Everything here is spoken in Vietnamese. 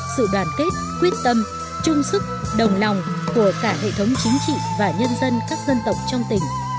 sự đoàn kết quyết tâm chung sức đồng lòng của cả hệ thống chính trị và nhân dân các dân tộc trong tỉnh